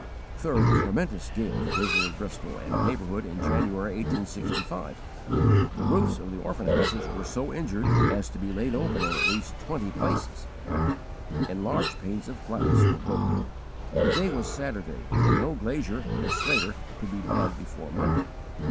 Third, tremendous gales visited Bristol and neighbourhood in January, 1865. The roofs of the orphan houses were so injured as to be laid open in at least twenty places, and large panes of glass were broken. The day was Saturday, and no glazier and slater could be had before Monday.